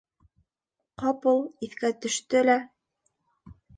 Ҡапыл иҫкә төштө лә...